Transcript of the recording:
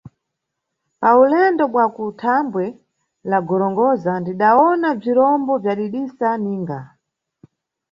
Pa ulendo bwa ku dambwe la Gorongosa, ndidawona bzirombo bzadidisa ninga.